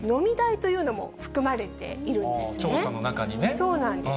そうなんです。